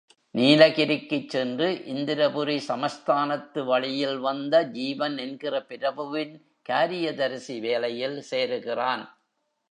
நீலகிரிக்குச் சென்று இந்திரபுரி சமஸ்தானத்து வழியில்வந்த ஜீவன் என்கிற பிரபுவின் காரியதரிசி வேலையில் சேருகிறான்.